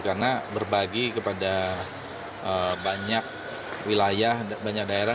karena berbagi kepada banyak wilayah banyak daerah